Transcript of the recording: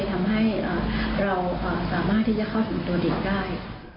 ทำให้เราสามารถที่จะเข้าถึงตัวเด็กได้